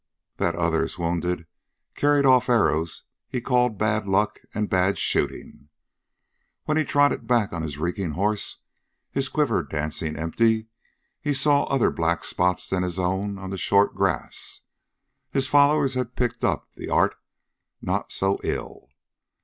That others, wounded, carried off arrows, he called bad luck and bad shooting. When he trotted back on his reeking horse, his quiver dancing empty, he saw other black spots than his own on the short grass. His followers had picked up the art not so ill.